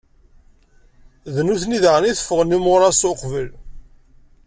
D nutni daɣen i iteffɣen imuṛaṣ uqbel.